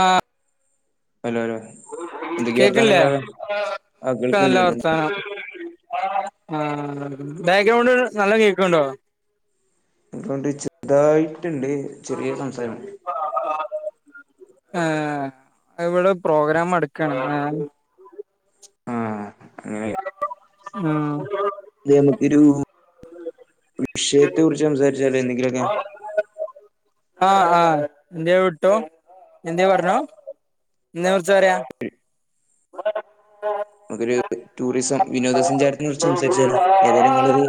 ആഹ്. Hello hello. എന്തൊക്കെയാ കേക്കില്ലേ വർത്താനങ്ങള് ആ ഒകെ കേൾക്കണ്ട് നല്ല കേൾക്കണ്ട് വർത്താനം. ആ ബേഗ്രൗണ്ട് നല്ല കേൾക്കുന്നുണ്ടോ. ഇപ്പോണ്ട് ചെറതായിട്ടുണ്ട് ചെറിയ സംസാരം. ആ, ഇവിടെ പ്രോഗ്രാം മടക്കയാണ് ആഹ് അങ്ങനെ ആഹ്. അ നമുക്കൊരു വിഷയത്തെ കുറിച്ച് സംസാരിച്ചാലേ എന്തെങ്കിലുമൊക്കെ. ആ, ആ, എന്തേലു വിട്ടോ, എന്തേലും പറഞ്ഞോ എന്തിനെ കുറിച്ച പറയാ. [unintelligible] നമുക്കൊരു ടൂറിസം വിനോദസഞ്ചാരത്തെ കുറിച്ച്സം സരിച്ചാലോ ഏതായാലും നിങ്ങള് ഒരു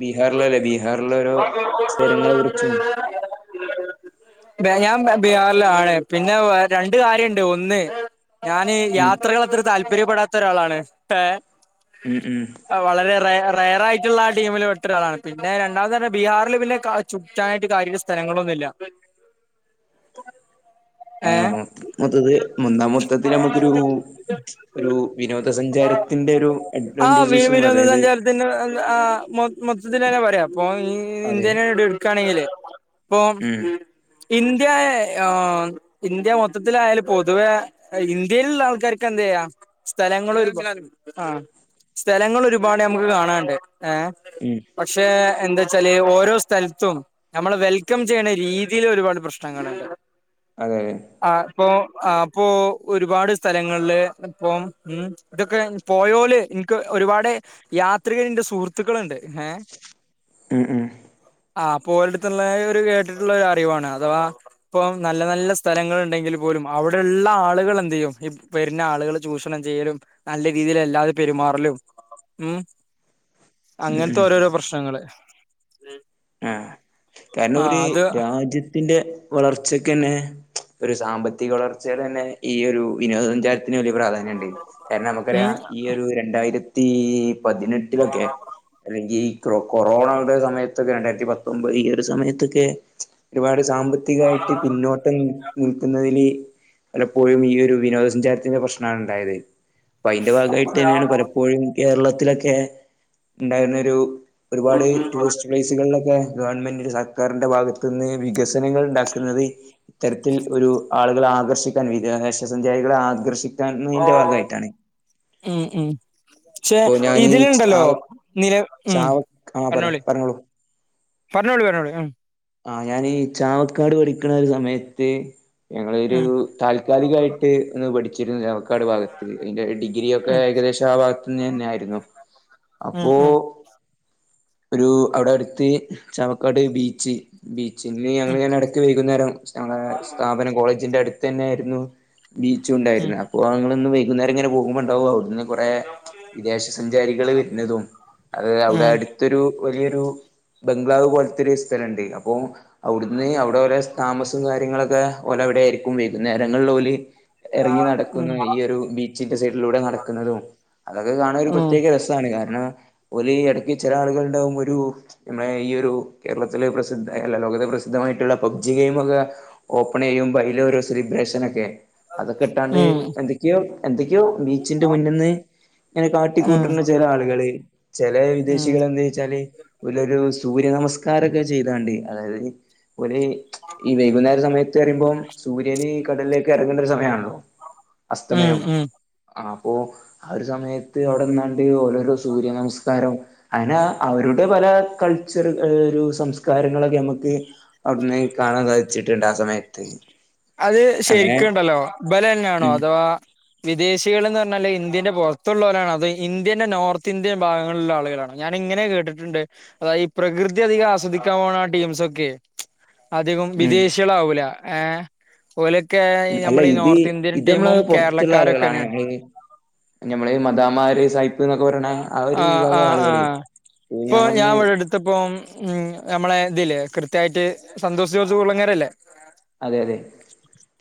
ബീഹാറിലെ അല്ലേ ബീഹാറില ഓരോ സ്ഥലങ്ങളെ കുറിച്ചും. ഞാൻ ബീഹാറിലാണ് പിന്നെ രണ്ട് കാര്യമുണ്ട് ഒന്ന് ഞാനീ ഉം യാത്രകൾ അത്ര താല്പര്യപ്പെടാത്ത ഒരാളാണ് ഇപ്പെ... ഉം ഉം വളരെ റയറയിട്ടുള്ള ടീമിൽ പെട്ട ഒരാളാണ് പിന്നെ.... അതോണ്ട് തന്നെ ബീഹാറിൽ പിന്നെ ചുറ്റാനായിട്ട് കാര്യുള്ള സ്ഥലങ്ങളൊന്നുമില്ല! ഉം ഏഹ് മൊത്തത്തി എന്ന മൊത്തത്തിൽ നമുക്കൊരു ഒരു വിനോദ സഞ്ചാരത്തിന്റെ ഒരു അഡ്വാന്റെജുസ്, അതായത്.... ആ, മൊത്തത്തിൽ തന്നെ പറയാം അപ്പൊ ഈ അതെ ഇന്ത്യനെ എടുക്കുകാണെങ്കിൽ.... ഇപ്പൊ ഉം ഇന്ത്യയെ... ആ ഇന്ത്യ മൊത്തത്തിലായാലും, പൊതുവെ ഇന്ത്യയിലുള്ള ആൾക്കാർക്ക് എന്താ ചെയ്യാ.... സ്ഥലങ്ങള് [unintelligible] സ്ഥലങ്ങള് ഒരുപാട് നമുക്ക് കാണാണ്ട് ഏ ഉം... പക്ഷെ എന്താച്ചാല്.... ഓരോ സ്ഥലത്തും.. നമ്മള് വെൽക്കം ചെയ്യണ രീതിൽ ഒരുപാട് പ്രശ്നങ്ങളുണ്ട്... അതേ... ആ ഇപ്പൊ അപ്പോ... ഒരുപാട് സ്ഥലങ്ങളില് ഇപ്പൊ ഉം.... ഇതൊക്കെ പോയോല്, എനിക്ക് ഒരുപാട് യാത്രികരുണ്ട് സുഹൃത്തുക്കളുണ്ട് ഏഹ... ഉം ഉം.. ആ പോയിടതള്ളൊരു കേട്ടിട്ടുള്ള അറിവാണ് അഥവാ.... ഇപ്പം നല്ല നല്ല സ്ഥലങൾ ഉണ്ടെങ്കിൽ പോലും അവിടെള്ള ആളുകൾ എന്ത് ചെയ്യും ഈ വരുന്ന ആളുകൾ.... ചൂഷണം ചെയ്യലും നല്ല രീതിൽ അല്ലാതെ പെരുമാറലും ഉം.... ഉം അങ്ങനത്തെ ഉം ഓരോരോ പ്രശ്നങ്ങള്..... ആ... കാരണം ഓല് ആ അങ്ങ് ഒരു അത് രാജ്യത്ത.... ത്തിന്റെ വളർച്ചക്കെന്നെ ഒരു സാമ്പത്തിക വളർച്ച തന്നെ ഈ ഒരു വിനോദ സഞ്ചാര.... [unintelligible] പ്രാധാന്യംണ്ട് കാരണം നമുക്കറിയ ഉം ഈ ഒരു രണ്ടായിരത്തി [unintelligible] പതിനെട്ടിലൊക്കെ അല്ലെങ്കിൽ കൊറോണയുടെ സമയത്ത്.... ഇതൊക്കെ രണ്ടായിരത്തി പത്തൊമ്പത് ഈ ഒരു സമയത്തൊക്കെ.. ഒരുപാട് സാമ്പത്തികായിട്ട് പിന്നോട്ടം നിൽക്കുന്നതില്... പലപ്പോഴും ഈ ഒരു വിനോദസഞ്ചാരത്തിന്റെ പ്രശ്നമാണ് ഉണ്ടായതു.. പ്പയിന്റെ ഭാഗമായിട്ട് തന്നെയാണ് പലപ്പോഴും കേരളത്തിലൊക്കെ ഉണ്ടായിരുന്നൊരു... ഒരുപാട് ടൂറിസ്റ്റ് പ്ലേസുകളിലൊക്കെ ഗവൺമെന്റിന്റെ, സർക്കാരിന്റെ ഭാഗത്തു നിന്ന് വികസ് [unintelligible] ഉണ്ടാക്കുന്നത് ഇത്തരത്തിൽ ഒരു ആളുകൾ ആകർഷിക്ക വിദേശ സഞ്ചാരികളെ ആകർഷിക്കുന്നതിന്റെ ഭാഗമായിട്ടാണ്! ഉം ഉം... ചെ ഇപ്പൊ ഞാനീ ഇതിലുണ്ടല്ലോ ചാവ നില ഉം... ചാവ ആ പറ പറഞ്ഞോളി... പറഞ്ഞോളൂ പറഞ്ഞോളി പറഞ്ഞോളി... ആ ഞാൻ ഈ ചാവക്കാട് പഠിക്കണ ഒരു സമയത്ത് ഞങ്ങളൊരു... ഉം താൽക്കാലികായിട്ട് ഒന്ന് പഠിച്ചിരുന്നു ചാവക്കാട് ഭാഗത്ത് അതിന്റെ ഡിഗ് ഉം [unintelligible] ഏകദേശം ആ ഭാഗത്തു നിന്ന് തന്നെ ആയിരുന്നു ഉം അപ്പോ ഉം ഒരു അവിടെ അടുത്ത് ചാവക്കാട് ബീച്ച്... ബീച്ചിൽന്ന് ഉം ഞങ്ങള് ഞാൻ ഇടക്ക് വൈകുന്നേരം ഞങ്ങടെ സ്ഥാപനം, കോളേജിന്റെ അടുത്ത് തന്നൊയായിരുന്നു ബീച്ച ഉം ഉണ്ടായിരുന്നെ.. അപ്പൊ ഞങ്ങൾ ഒന്ന് വൈകുന്നേരം ഇങ്ങനെ പോകുമ്പോ ഉണ്ടാവു അവ്ടന് കുറേ വിദേശ സഞ്ചാരികൾ വരുന്നതും അത് അവിടെ ഉം അടു... തൊരു വലിയൊരു ബംഗ്ലാവ് പോലത്തെ ഒരു സ്ഥലംണ്ട്, അപ്പോ അവിടുന്ന് അവിടെ ല.. താമസം കാര്യങ്ങളൊക്കെ ഓന് എവിടെ ആയിരിക്കും വൈകുന്നേരങ്ങളിൽ ഓല് ഇറങ്ങി നടക്കുന്ന ഉം ഈ ഒരു ബീച്ചിന്റെ സൈഡിലൂടെ നടക്കുന്നതും അതൊക്കെ കണാൻ ഒരു ഉം പ്രത്യേക രസം... താണ് കാരണം ഓല് ഇടക്ക് ചില ആളുകളുകും ഒരു... നമ്മളെ ഈ ഒരു കേരളത്തിലെ പ്രസിദ്ധ അല്ല ലോകത്തെ പ്രസിദ്ധമായിട്ടുള്ള പബ്ജി ഗെയിമൊക്കെ ഓപ്പൺ ചെയ്യും അയീലൊരു സെലിബ്രേഷന ഒക്കെ അതൊക്കെ ഇട്ടാണ്ട് ഉം എന്തൊക്കെയോ... എന്തൊക്കെയോ ബീച്ചിന്റെ മുന്നന്ന് ഇങ്ങനെ ഉം കാട്ടിക്കൂട്ടുന്ന ചില ആളുകള് ചില വിദേശ.. ഉം ന്താച്ചാല് ഒരു സൂര്യ നമസ്കാരംക്കെ ചെയ്താണ്ട് അതായത്... [unintelligible] പോലെ ഈ വൈകുന്നേര സമയത്ത് വരുമ്പം സൂര്യന് ഈ കടലിലേ ഇറങ്ങേണ്ട ഒരു സമയണല്ലോ അസ്തമയം ഉം ഉം ആ അപ്പോ ആ ഒരു സമയത്ത് അവിടെന്നാണ്ട് ഓരോരോ സൂര്യനമസ്കാരം അയ്നാ അവരുടെ പല കൾച്ചറുകൾ ഒരു സംസ്കാരങ്ങളൊക്കെ നമുക്ക് അവിടുന്ന് കാണാൻ സാധിച്ചിട്ടുണ്ട് ആ സമയത്ത് അത് അങ്ങനെ ശരിക്കുണ്ടല്ലോ ഇബല തന്നെയാണോ ഉം അതോ വിദേശികൾ എന്ന് പറഞ്ഞാല് ഇന്ത്യന്റെ പുറത്തോള്ളോരാണോ അത് ഇന്ത്യന്റെ നോർത്ത് ഇന്ത്യൻ ഭാഗങ്ങളിലുള്ള ആളുകളാണോ ഞാന് ഇങ്ങനെ കേട്ടിട്ടുണ്ട് അതായത് ഈ പ്രകൃതി അധികം ആസ്വദിക്കാൻ പോണ ആ ടീംസൊക്കെ അധികം ഉം വിദേശികളാവൂല ഏഹ് ഓലൊക്കെ അല്ല നമ്മളീ ഇത് നോർത്ത് ഇന്ത്യൻ ഇത് ടീമും നമ്മള് പൊറത്തുള്ള ആളുകളാണ് കേരളക്കാരൊക്കെന്നെയാണ് [unintelligible] ഞമ്മള് മദാമ്മമാര് സായിപ്പ് എന്നൊക്കെ പറയണ ആ ഒരു ആഹ് വിഭാഗം ആഹ് ആളുകളി ആഹ് ഇപ്പൊ ഞാവിടെ അടുത്ത് ഇപ്പം ഉമ് നമ്മളെ ഇതില്ലേ കൃത്യയിട്ട് സന്തോഷ് ജോർജ് കുള്ളങ്ങര ഇല്ലേ അതെ അതെ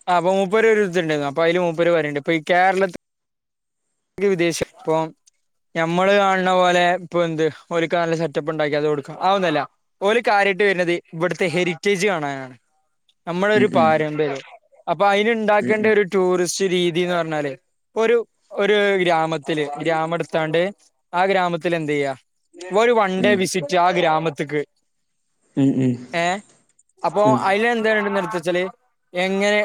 ആ അപ്പൊ മുപ്പര് [unintelligible] അപ്പ അയില് മുപ്പരു പറയിണ്ട് ഇപ്പ ഈ കേരളത്തില് വിദേശിപ്പോ ഞമ്മള് കാണണ പോലെ ഇപ്പൊ എന്ത് ഒരിക്ക നല്ല സെറ്റപ്പ് ഉണ്ടാക്കി അത് കൊടുക്കുക ആ തൊന്നുല്ല ഓര് കാര്യയിട്ട് വരുന്നത് ഇവിടുത്തെ ഹെറിറ്റേജ് കാണാനാണ് നമ്മളൊരു ഉം ഉം [unintelligible] അപ്പൊ അയ്ന് ഉണ്ടാക്കേണ്ട ഉം ഒരു ടൂറിസ്റ്റ് രീതിന്ന് പറഞ്ഞാല് ഒരു ഒരു ഗ്രാമത്തില് ഗ്രാമ എടുത്താണ്ട് ആ ഗ്രാമത്തില് എന്ത് ചെയ്യാ ഒരു വൺ ഡേ ഉം വിസിറ്റ് ആ ഗ്രാമത്ത്ക്ക് മ് മ് ഏഹ് അപ്പൊ അയില് എന്ത പറഞ്ഞ നിർത്തുവേച്ചാല് എങ്ങനെ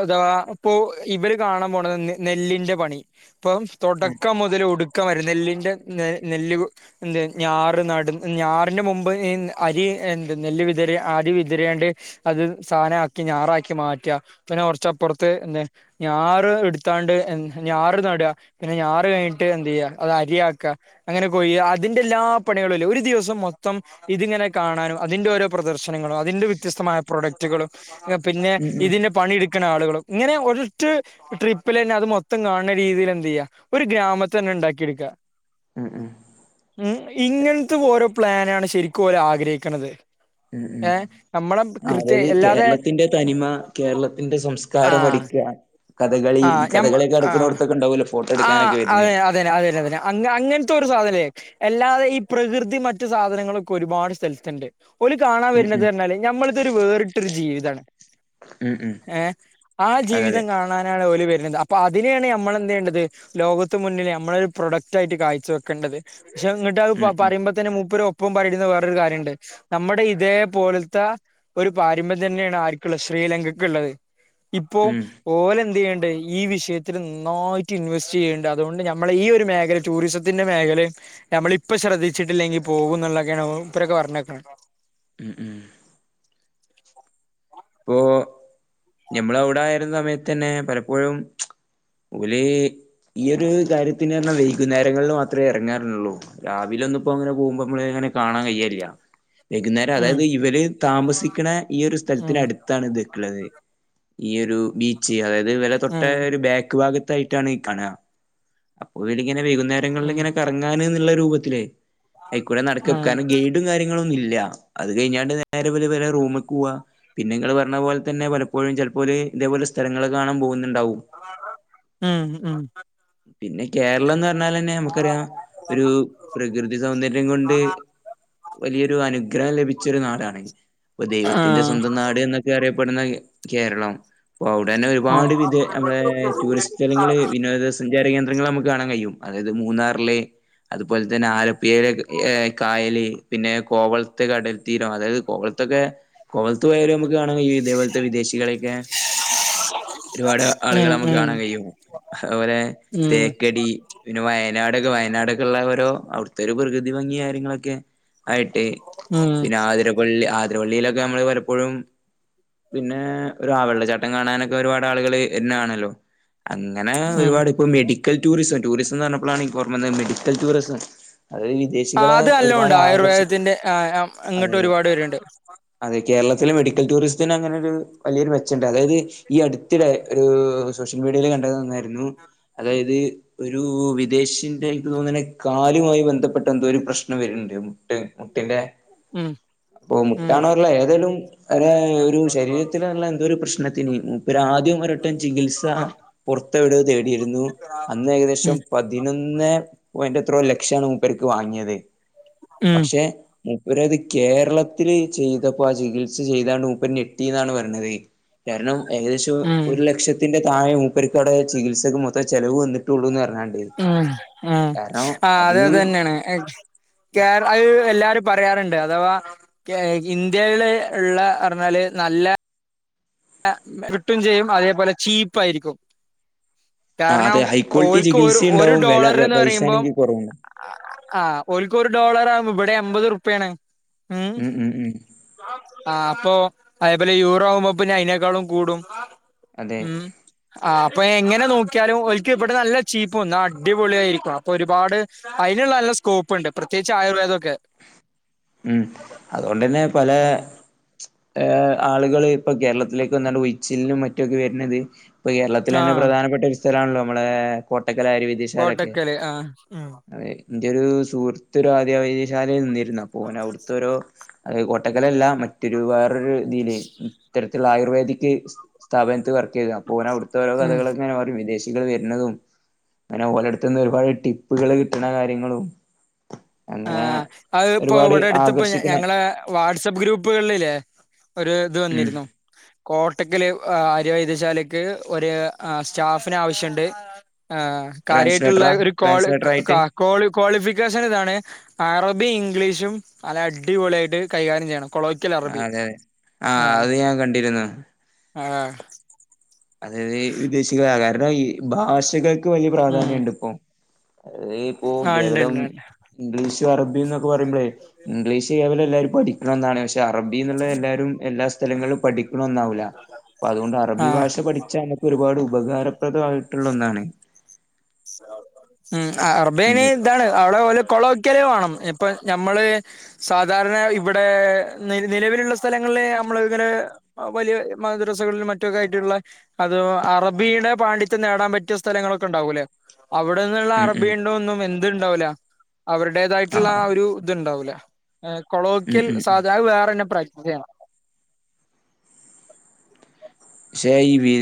അഥവാ ഇപ്പൊ ഇവര് കാണാൻ പോണത് നെല്ലിന്റെ പണി ഇപ്പം തുടക്കം മുതൽ ഒടുക്കം വരെ നെല്ലിൻ്റെ നെ നെല്ല് എന്ത് ഞാറ് നടു ഞാറിന്റെ മുമ്പ് ഈ അരി എന്ത് നെല്ല് വിതറി അരി വിതറിയാണ്ട് അത് സാനാക്കി ഞാറാക്കി മാറ്റിയ പിന്നെ കുറച്ചപ്പുറത്ത് എന്ത ഞാറ് എടുത്താണ്ട് എ ഞാറ് നട് പിന്നെ ഞാറ് കഴിഞ്ഞിട്ട് എന്ത് ചെയ്യാ അത് അരിയാക്ക അങ്ങനെ കൊയി അതിന്റെ എല്ലാ പണികളുംല്ലേ ഒരു ദിവസം മൊത്തം ഇതിങ്ങനെ കാണാനും അതിന്റെ ഓരോ പ്രദർശനങ്ങളും അതിന്റെ വ്യത്യസ്തമായ പ്രോഡക്റ്റുകളും പിന്നെ ഉം ഉം ഉം ഉം ഇതിന്റെ പണിടുക്ക ക്കണ ആളുകളും ഇങ്ങനെ ഒരൊറ്റ ട്രിപ്പിലന്നെ അത് മൊത്തം കാണണ രീതീല് എന്ത് ചെയ്യാ ഒരു ഗ്രാമത്തെ തന്നെ ഇണ്ടാക്കിയെടുക്ക ഉം ഉം മ് ഇങ്ങനത്തെ ഓരോ പ്ലാനാണ് ശരിക്കും ഓര് ആഗ്രഹിക്കണത് ഉം ഉം ഏഹ് നമ്മള് ആ, കൃത്യ അതായത് അല്ലാതെ കേരളത്തിന്റെ തനിമ കേരളത്തിന്റെ സംസ്കാരം ആഹ് പഠിക്കാൻ കഥകളി ഈ ആഹ് ഞ കഥകളിയൊക്കെ നടുക്കുന്നോടത്തൊക്കെ ഉണ്ടാവുല്ലോ ഫോട്ടോ എടുക്കാനൊക്കെ വരുന്നേ അതെന്നെ അതന്നെ അതന്നെ അങ്ങ അങ്ങനത്തെ ഒരു സാധനില്ലേ അല്ലാതെ ഈ പ്രകൃതി മറ്റു സാധനങ്ങളൊക്കെ ഒരുപാട് സ്ഥലത്തുണ്ട് ഓല് കാണാൻ ഉം വരുണത് ഉം പറഞ്ഞാല് ഞമ്മളിതൊരു വേറിട്ട് ട്ടോരു ജീവിതമാണ് ഉം ഉം ഏഹ് ആ അതെ അതെ ജീവിതം കാണ കാണാനാണ് ഓല് വരുന്നത് അപ്പൊ അതിനെയാണ് നമ്മൾ എന്ത് ചെയേണ്ടത് ലോകത്ത് മുന്നിൽ നമ്മളൊരു പ്രൊഡക്റ്റ് ആയിട്ട് കാഴ്ച വെക്കേണ്ടത് പക്ഷെങ്ങട്ട് ഉം [unintelligible] ഉം പറയുമ്പത്തന്നെ മുപ്പരോപ്പം പറയുന്ന വേറൊരു കാര്യമുണ്ട് നമ്മുടെ ഇതേ പോലത്തെ പാരമ്പര്യം തന്നെയാണ് ആർക്കുള്ളത് ശ്രീലങ്കകുള്ളത് ഇപ്പോ ഉം ഓല് എന്ത് ചെയ്യണ്ട് ഈ വിഷയത്തിൽ നന്നായിട്ട് ഇൻവെസ്റ്റ് ചെയ്യുന്നുണ്ട് അതുകൊണ്ട് നമ്മള് ഈ ഒരു മേഖലയി ടൂറിസത്തിന്റെ മേഖലയും നമ്മളിപ്പ ശ്രദ്ധിച്ചിട്ടില്ലെങ്കിൽ പോകും എന്നുള്ളതൊക്കെയാണ് ഇപ്പരൊക്കെ പറഞ്ഞക്കുന്നത് മ് മ് ഇപ്പോ ഞമ്മള് അവിടെ ആയിരുന്ന സമയത്ത് തന്നെ പലപ്പോഴും ഓല് ഈയൊരു കാര്യത്തിന് പറഞ്ഞ വൈകുന്നേരങ്ങളിൽ മാത്രമേ ഇറങ്ങാറുള്ളൂ. രാവിലെന്നും പ്പോ അങ്ങനെ പോകുമ്പോ നമ്മള അങ്ങനെ കാണാകഴിയലില്ല. വൈകുന്നേരം ഉം അതായത് ഇവര് താമസിക്കുന്ന ഈ ഒരു സ്ഥലത്ത്. ഉം താണ്നിക്ക്ണത് ഈ ഒരു ബീച്ച് അതായത് വില തൊട്ട ഉം ഒരു ബാക്ക് ഭാഗ.. തയിട്ടാണ്ഈ കാണാ അപ്പൊ ഇവര് ഇങ്ങനെ വൈകുന്നേരങ്ങളില് ഉം ഇങ്ങനെ കറങ്ങാൻ എന്നുള്ള രൂപത്തിലേ. ആയിക്കൂടെ നടക്ക കാരണം ഗൈഡും കാര്യങ്ങളൊ ഒന്നും ഇല്ല അത് കഴിഞ്ഞാണ്ട് നേരെ ഇവരെ റൂമിക്ക്പോകാ. പിന്നെങ്ങള് പറഞ്ഞ പോലെ തന്നെ പലപ്പോഴും ചിൽപ്പോല് ഇതേപോല സ്ഥലങ്ങളെ കാണാൻ പോവുന്നുണ്ടാവും. ഉം ഉം പിന്നെ കേരളംന്ന് പറഞ്ഞാലന്നെ നമുക്കറിയാം ഒരു പ്രകൃതി സൗന്ദര്യം കൊണ്ട്. വലിയൊരു അനുഗ്രഹം ലഭിച്ചൊരു നാടാണ് ഇപ്പൊ ദൈവത്തിന്റെ ആഹ് സ്വന്തം നാട് എന്നൊക്കെ അറിയപ്പെടുന്ന കേരളം. അപ്പൊ അവിടെന്നെ ഒരുപാട് വിധ നമ്മളെ ടൂറിസ്റ്റ് സ്ഥലങ്ങൾ വിനോദസ് സഞ്ചാര കേന്ദ്രങ്ങള് നമുക്ക് കാണാൻ കഴിയും അതായത് മൂന്നാറിലെ. അതുപോലെ തന്നെ ആലപ്പയിലെ കായല് പിന്നെ കോവള്ത്തെ കടൽ തീരം അതായത് കോവലത്തൊക്കെ കോവളത്ത് പോയാല് നമുക്ക് കാണൻ കഴിയുംഇതേപോലത്തെ വിദേശികളെയൊക്കെ. ഒരുപാട് ഉം ആളുകളെ നമുക്ക് ഉം കാണാൻ കഴിയും അതുപോലെ ഉം തേക്കടി. പിന്നെ വയനാടൊക്കെ വയനാടൊക്കെ ഉള്ള ഓരോ അവിടുത്തെ ഒരു പ്രകൃതി ഭംഗി കാര്യങ്ങളൊക്കെ. ആയിട്ട് ഉം ഉം പിന്നെ ആതിരപ്പള്ളി ആതിരപ്പള്ളിയിലൊക്കെ നമ്മള് പലപ്പോഴും. പിന്നെ ഒരവെള്ളച്ചാട്ടം കാണാനൊക്കെ ഒരുപാട് ആളുകള് വര്ണാണല്ലോ അങ്ങനെ ഉം ഒരുപാട്. ഇപ്പ മെഡിക്കൽ ടൂറിസം. ടൂറിസംന്ന് പറഞ്ഞ പ്ലാണ് മെഡിക്കൽ ടൂറിസം അത് വി.. ആ അത് അല്ലാം ഉണ്ട് ആയുർവേദത്തിന്റെ ആ അതെ ഇങ്ങോട്ട് അതെ ഒരുപാട് വരുന്നുണ്ട്. അതെ കേരളത്തിലെ മെഡിക്കൽ ടൂറിസത്തിന് അങ്ങനെ ഒരു വലിയൊരു മെച്ചണ്ട് അതായത്. ഈ അടുത്തിടെ ഒരു സോഷ്യൽ മീഡിയൽ കണ്ടത് ന്നായിരുന്നു അതായത് ഒരു വിദേശിന്റെക്ക് തോന്നണകാലുമായി ബന്ധപ്പെ പെട്ടെന്തോ ഒരു പ്രശ്നം വര്ണ്ട് മുട്ട് മുട്ടിന്റെ ഉം അപാെ. ഉം കാണാറില്ല ഏതെലുംഅയിന്ഒരു ശരീരത്തിന്നുള്ള എന്തോ ഒരു പ്രശ്നത്തിന് മൂപ്പര് ആദ്യം. ചികിത്സ പുറത്തവിട തേടിയിരുന്നു അന്ന് ഏകദേശം ഉം പതിനൊന്ന്. ഓ ആയിൻ്റെത്രോ ലക്ഷാണ് മൂപ്പർക്ക് വാങ്ങിയത് ഉം പക്ഷെ. മുപ്പരത് കേരളത്തില്ൽ ചെയ്തപ്പോ ആ ചികിത്സ ചെയ്താണ്ട് മുപ്പര്ഞെട്ടിന്നാണ് പറഞ്ഞത്. കാരണം ഏകദേശം ഉം ഒരു ലക്ഷത്തിന്റെ താഴെ മൂപ്പര്ക്ക് അവിടെ ചികിത്സക്ക് മൊത്തം ചെലവ് വന്നിട്ട്. ഉം ഉ ആ അത് അത് തന്നെയാണ്. കേറ അ എല്ലാരും പറയാറുണ്ട് അഥവാ. ഇന്ത്യയില് ഇള്ള പറഞ്ഞാല് നല്ല. കിട്ടും ചെയ്യും അതേപോലെ ചീപ്പായിരിക്കും. ആ കാരണം അതെ ഹൈ ക്വാളിറ്റി ഓല്ക്ക് ഒരു ചികിത്സയും ഒരു ഉണ്ടാവും വില ഡോളർ എന്ന് പൈസ പറയുമ്പോ. ആണെങ്കിൽ കുറവുണ്ടാവും ആ ഒരക്ക് ഒരു ഡോളർ ആവുമ്പോ ഇവിടെ എമ്പത് ഉറുപ്പിയാണ് ഉം. ആ അപ്പൊ അതേപോലെ യൂറോ മപ്പ അതിനേക്കാളും കൂടും അതെ ഉം ആ അപ്പൊ എങ്ങനെ നോക്കിയാലും ഒൽക്ക് ഇവിടെ നല്ല ചീപ്പ് വന്നു. അടിപൊളിയായിരിക്കും അപ്പൊ ഒരുപാട്. അയിന്ള്ള നല്ല സ്കോപ്പ് ഉണ്ട് പ്രത്യേകിച്ച് ആയുർവേദക്കെ. ഉം അതോണ്ട്ന്നെ പല ഏ ആളുകള് ഇപ്പൊ കേരളത്തിലേക്ക് വന്നണ്ട് ഉഴിച്ചിലിനും മറ്റുക്കെ വരുന്നത്. [inaudible] ഇപ്പൊ കേരളത്തിൽ തന്നെ ആഹ് പ്രധാനപ്പെട്ട ഒരു സ്ഥലണല്ലോ നമ്മളെ കോട്ടക്കല ആര്യ വൈദ്യ വൈദ്യശാലൊക്കെ കോട്ടക്കല് ആഹ് അതെ എന്റെ ഒരു സുഹൃത്ത് ഒരു ആര്യ വൈദ്യശാലയിൽ നിന്നിരുന്നു അപ്പോ ഓന് അവ്ട്തൊരു. അത് കോട്ടക്കല അല്ല മറ്റൊരു വേറൊരു തിയില് ഇത്തരത്തിലുള്ള ആയുർവേദിക്. സ്ഥാപനത്തി വർക്ക് ചെയ്തു അപൊന് അവിടുത്തെ ഓരോ ഉം കഥകൾക്കെ അങ്ങനെ പറയും വിദേശികൾ വരുന്നതും അങ്ങനെ ഓലടുത് നിന്ന് ഒരുപാട് ടിപ്പുകള് കിട്ടണ കാര്യങ്ങളും. ആ അങ്ങനെ അത ഇപ്പോ ഒരുപാട് ഇവിടെ എടുത്തപ്പോ ആകർഷിക്കണ ഞങ്ങളെ. വാട്സആപ്പ് ഗ്രൂപ്പുകളിൽല്ലേ ഒരു ഇത് ഉം വന്നിരുന്നു. കോട്ടക്കല് അര്യവൈദ്യശാലക്ക് ഒരു സ്റ്റാഫിന് ആവശ്യണ്ട് ആ കാര്യയിട്ടുള്ള ട്രാൻസ്ലേറ്ററാ ഒരു കോള് ട്രാൻസ്ലേറ്റർ ക ആയിട്ട് ക്വാളി ക്വാളിഫിക്കേഷൻ ഇതാണ് അറബും ഇംഗ്ലീഷും അല്ല അടിപൊളിയായിട്ട് കൈകാര്യം ചെയ്യണം കൊളോയ്ക്കൽ ആ, അറബി അതെ അതെ ആഹ് അത് ഞാൻ കണ്ടിരുന്നു ആഹ് അതായത് വിദേശികള കാരണം ഈ ഭാഷകൾക്ക് വലിയ ഉം പ്രാധാന്യണ്ട് ഇപ്പൊ അത് ഇപ്പോ ആഹ് ഇണ്ട് കേവലം ഇണ്ട് ഇണ്ട് ഇംഗ്ലീഷും അറബി എന്നൊക്കെ പറയുമ്പോളേ ഇംഗ്ലീഷ് കേവലം എല്ലരും പഠിക്കണം എന്നാണ് പക്ഷെ അറബി എന്നുള്ള എല്ലാരും എല്ലാ സ്ഥലങ്ങളും പഠിക ഒന്നാവു ല്ല അപ്പൊ അതുകൊണ്ട് അറബി ആഹ് ഭാഷ പഠിച്ചാ നമക്ക് ഒരുപാട് ഉപകാരപ്രദയിട്ടുള്ള ഒന്നാണ് ഉം ആ അറബേന ഉം ഇതാണ് അവിടെ പോലെ കൊള വയ്ക്കല വേണം ഇപ്പൊ ഞമ്മള് സാധാരണ ഇവിടെ നിലവിലുള്ള സ്ഥലങ്ങളിൽ നമ്മള ഇങ്ങനെ വലിയ മദ്രസകളിൽ മറ്റൊക്കെ ആയിട്ടുള്ള അത് അറബിയുടെ പാണ്ഡിത്യം നേടാൻ പറ്റിയ സ്ഥലങ്ങളൊക്കെ ഉണ്ടാവൂല്ലേ അവിടെന്നുള്ള ഉം ഉം അറബിയുണ്ടോ ഒന്നും എന്തു ഇണ്ടാവല അവരുടേതായിട്ടുള്ള ആ ഒരു ഇതുണ്ടാവൂല ഉം കൊളോക്കിയൽ ഉം ഉം സാധാര വേറെ എന്നെ പ്രാക്ടീസ് ചെയ്യണം പക്ഷേ ഈ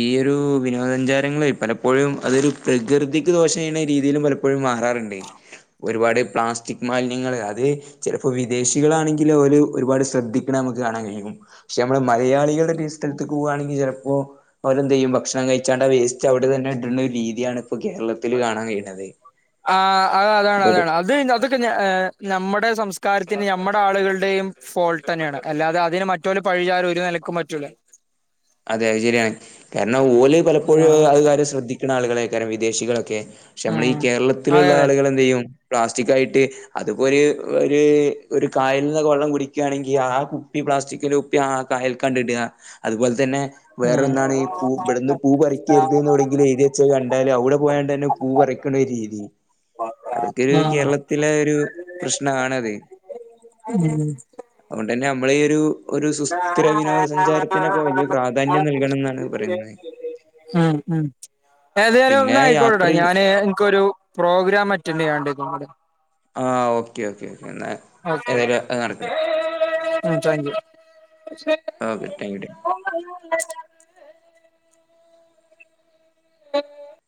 ഈ ഒരു വിനോദ സഞ്ചാരങ്ങളായി പലപ്പോഴും അതൊരു പ്രകൃതി ദോഷം ചെയ്യുന്ന രീതിയിലും പലപ്പോഴും മാറാറുണ്ട് ഒരുപാട് പ്ലാസ്റ്റിക് മാലിന്യങ്ങള് അത് ചിലപ്പോ വിദേശികളാണെങ്കില് അവര് ഒരുപാട് ശ്രദ്ധിക്കണ നമക്ക് കാണാൻ കഴിയും പക്ഷെ നമ്മള് മലയാളികളുടെ സ്ഥലത്ത് പോകുകയാണെങ്കിൽ ചിലപ്പോ അവരെന്ത് ചെയ്യും ഭക്ഷണം കഴിച്ചാണ്ട് ആ വേസ്റ്റ് അവിടെ തന്നെ ഇടുന്ന ഒരു രീതിയാണ് ഇപ്പോ കേരള ആ അ അതാണ് ഇപ്പൊ അതാണ് അത് അത് നമ്മുടെ സംസ്കാരത്തിന് നമ്മുടെ ആളുകളുടെയും ഫോൾട്ട് തന്നെയാണ് അല്ലാതെ അതിന് മറ്റ റ്റോല പഴിചാല ഒരു നിലക്കും പറ്റലേ അതെ അത് ശരിയാണ് കാരണം ഓല് പലപ്പോഴും ഉം അത് കാര്യം ശ്രദ്ധിക്കണ ആളുകളെക്കാര് വിദേശികളൊക്കെ പക്ഷെ നമ്മള ഈ ഉം. അതെ കേരളത്തിലുള്ള അതെ ആളുകൾ എന്ത് ചെയ്യും പ്ലാസ്റ്റിക് ആയിട്ട് അത്പ്പോ ഒരു ഒരു ഒരു കായല നിന്ന് വെള്ളം കുടി ക്ക യാണെങ്കിൽ ആ കുപ്പി പ്ലാസ്റ്റിക്കെ കുപ്പി ആ കായൽ കണ്ടിടുക അതുപോലെ തന്നെ വേറെ ഉം. എന്താണ് ഈ പൂ ഇവിടുന്ന് പൂ പറിക്കരുതെന്ന് തുടെങ്കിൽ എഴു ച്ച് കണ്ടാല് ഔടെ പോയാണ്ടെന്നെ പൂ പറിക്ക്ണൊരു രീതി അതൊക്കെ കേരളത്തില് ത്തിലെ ഒരു പ്രശ്നാണത്. മ് അതുകൊണ്ടെന്നെ നമ്മളെ ഈയൊരു ഒരു സുസ്ഥിര വിനോദ സഞ്ചാരത്തിനൊക്കെ വലിയ പ്രാധാന്യം ഉം നൽകണന്നാണ് പറയുന്നേ ഉം ഉം ഏതായാലും ന്നാ അയ്ക്കോട്ടെട്ടോ ഞാന് ഇൻക്കൊരു പ്രോഗ്രാം അറ്റൻഡെയ്യാണ്ടായിരുന്നു ഇവ്ടെ ആഹാ ഓക്കെ ഓക്കെ ഓക്കെ എന്നാ ഓക്കെ മ് താങ്ക് യു ഓക്കെ താങ്ക്യു [inaudible] [inaudible]